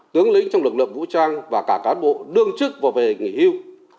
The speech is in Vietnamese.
tướng lĩnh trong lực lượng vũ trang và cả cán bộ đương chức và về nghỉ hưu